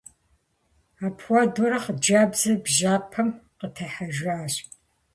Апхуэдэурэ хъыджэбзыр бжьэпэм къытехьэжащ.